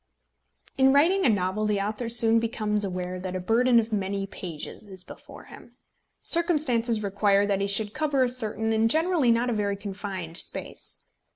In writing a novel the author soon becomes aware that a burden of many pages is before him. Circumstances require that he should cover a certain and generally not a very confined space.